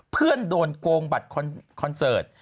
เพื่อนโดนโกงบัตรคอนเสิร์ต